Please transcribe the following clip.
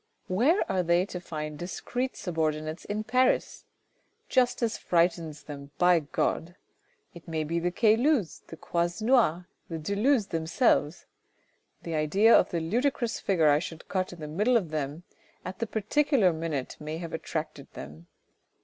Where are they to find discreet subordinates in Paris ? Justice frightens them By God ! It may be the Caylus's, the Croisenois', the de Luz's themselves. The idea of the ludicrous figure I should cut in the middle of them at the particular minute may have attracted them.